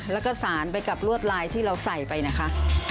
แล้วก็สารไปกับรวดลายที่เราใส่ไปนะคะ